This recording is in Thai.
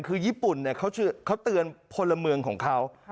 คือญี่ปุ่นเขาเตือนพลเมืองของเขา